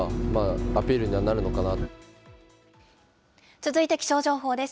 続いて気象情報です。